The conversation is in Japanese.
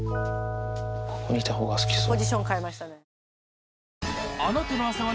ここにいた方が好きそうだ。